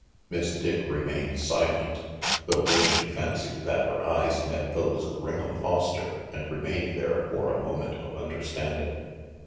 Miss Dick remained silent, though Rangy fancied that her eyes met those of Ring'em Foster and remained there for a moment of understanding.